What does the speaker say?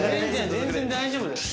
全然大丈夫だよ。